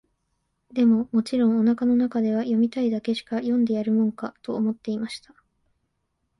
でも、もちろん、お腹の中では、読みたいだけしか読んでやるもんか、と思っていました。